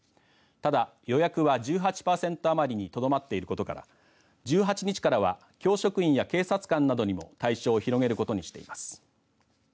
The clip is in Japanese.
ただ、予約は１８パーセント余りにとどまっていることが１８日からは教職員や警察官などにも対象を広げることにしています。